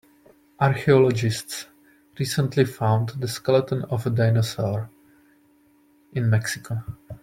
Archaeologists recently found the skeleton of a dinosaur in Mexico.